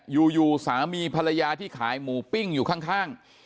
อยู่สามีภรรยาที่ขายหมูปิ้งอยู่ข้าง